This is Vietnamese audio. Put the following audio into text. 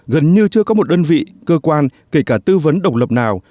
gần như chưa có một đơn vị cơ quan kể cả tư vấn độc lập nào